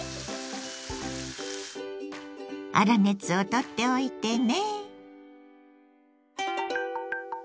粗熱をとっておいてね。